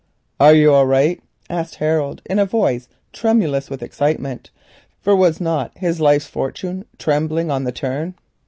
"Are you all right?" asked Harold in a voice tremulous with excitement, for was not his life's fortune trembling on the turn?